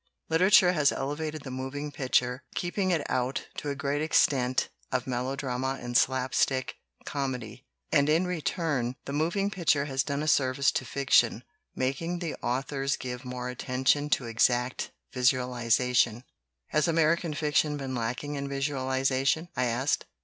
"Literature has elevated the moving picture, keeping it out, to a great extent, of melodrama and slap stick comedy. And in return, the mov ing picture has done a service to fiction, making the authors give more attention to exact visu alization." 64 "MOVIES" BENEFIT LITERATURE "Has American fiction been lacking in visuali zation?" I asked.